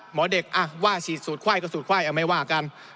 หมอเด็กว่าฉีดสูตรไข้ก็สูตรไขว้ไม่ว่ากัน